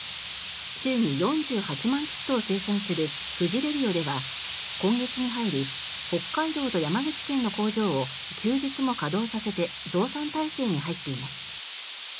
週に４８万キットを生産する富士レビオでは今月に入り北海道と山口県の工場を休日も稼働させて増産体制に入っています。